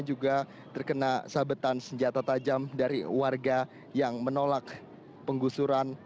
juga terkena sabetan senjata tajam dari warga yang menolak penggusuran